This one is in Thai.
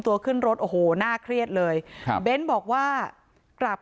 ขึ้นรถโอ้โหน่าเครียดเลยครับเบ้นบอกว่ากลับ